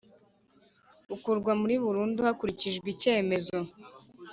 akurwa muri burundu hakurikijwe icyemezo